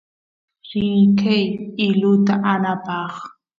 rini qeey iluta aanapaq